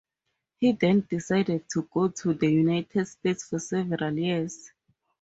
He then decided to go to the United States for several years.